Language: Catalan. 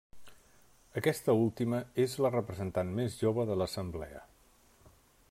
Aquesta última és la representant més jove de l'Assemblea.